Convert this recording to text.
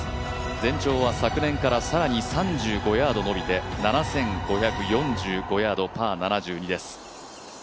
全長は昨年から更に３５ヤード伸びて７５４５ヤード、パー７２です。